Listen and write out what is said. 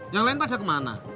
yang lain pada kemana